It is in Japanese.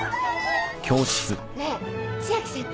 ねえ千秋先輩